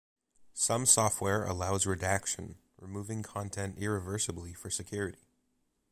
Some software allows redaction, removing content irreversibly for security.